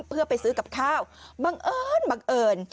เพื่อไปซื้อกับข้าวบังเอิญบังเอิญ